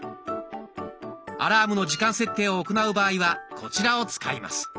アラームの時間設定を行う場合はこちらを使います。